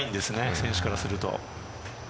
選手からすると。